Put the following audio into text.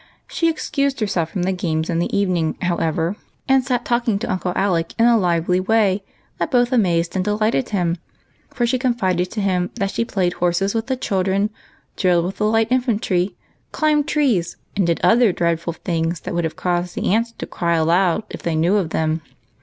She excused herself from the games in the evening, however, and sat talking to Uncle Alec in a lively way, that both amazed and delighted him ; for she confided to "him that she played horse with the children, drilled with the light infantry, climbed trees, and did other dreadful things that would have caused the aunts to cry aloud if they knew of them.